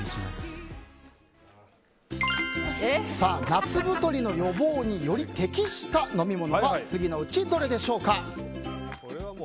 夏太りの予防により適した飲み物は次のうち、どれでしょうか。